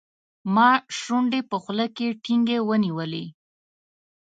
ما شونډې په خوله کې ټینګې ونیولې.